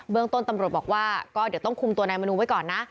เรื่องต้นตำรวจบอกว่าก็เดี๋ยวต้องคุมตัวนายมนูไว้ก่อนนะ